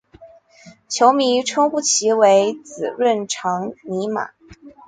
球迷称呼其为孖润肠尼马。